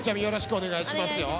お願いします。